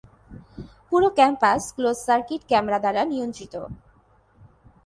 পুরো campus close circuit camera দ্বারা নিয়ন্ত্রিত।